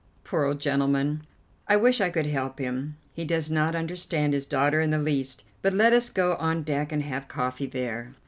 Poor old gentleman, I wish I could help him! He does not understand his daughter in the least. But let us go on deck and have coffee there."